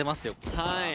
はい。